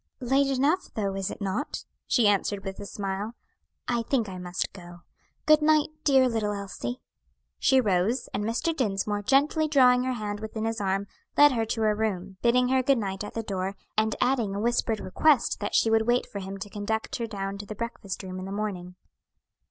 "Late enough though, is it not?" she answered with a smile. "I think I must go. Good night, dear little Elsie." She rose, and Mr. Dinsmore, gently drawing her hand within his arm, led her to her room, bidding her good night at the door, and adding a whispered request that she would wait for him to conduct her down to the breakfast room in the morning.